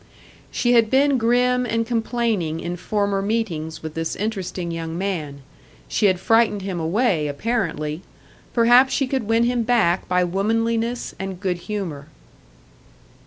She had been grim and complaining in former meetings with this interesting young man; she had frightened him away, apparently; perhaps she could win him back by womanliness and good humour.